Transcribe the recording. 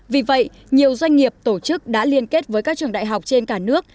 vì vậy nhiều doanh nghiệp tổ chức đã liên kết với các trường đại học trên cả nước